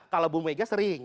kalau bu mega sering